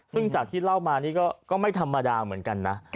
ซึ่งจากที่เล่ามานี่ก็ไม่ธรรมดาเหมือนกันนะ